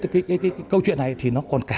cái câu chuyện này thì nó còn cả